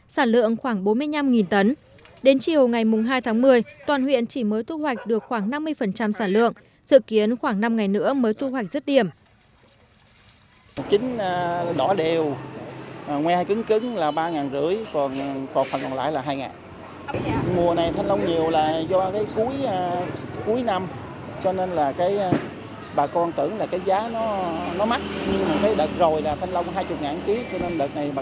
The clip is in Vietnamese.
sản lượng khoảng bốn mươi năm tấn đến chiều ngày hai tháng một mươi toàn huyện chỉ mới thu hoạch được khoảng năm mươi sản lượng dự kiến khoảng năm ngày nữa mới thu hoạch rất điểm